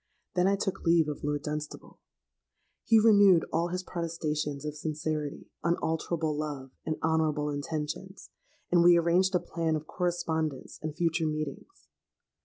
Then I took leave of Lord Dunstable. He renewed all his protestations of sincerity, unalterable love, and honourable intentions; and we arranged a plan of correspondence and future meetings.